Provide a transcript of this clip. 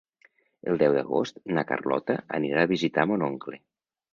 El deu d'agost na Carlota anirà a visitar mon oncle.